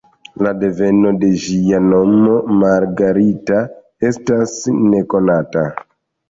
La deveno de ĝia nomo, ""Margarita"", estas nekonata.